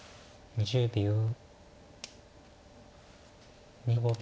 ２０秒。